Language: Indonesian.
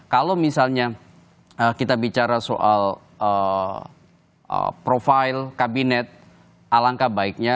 kalau misalnya kita bicara soal profil kabinet alangkah baiknya